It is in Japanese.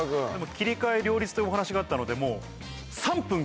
切り替え両立というお話があったのでもう。